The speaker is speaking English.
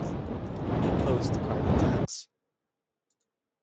He opposed the carbon tax.